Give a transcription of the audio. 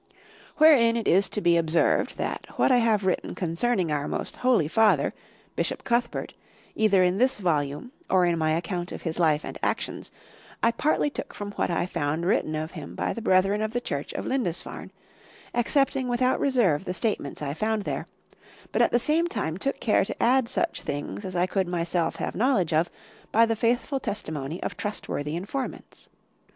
Wherein it is to be observed, that what I have written concerning our most holy father, Bishop Cuthbert,(20) either in this volume, or in my account of his life and actions, I partly took from what I found written of him by the brethren of the Church of Lindisfarne,(21) accepting without reserve the statements I found there; but at the same time took care to add such things as I could myself have knowledge of by the faithful testimony of trustworthy informants.